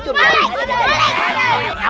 kau mau ngapain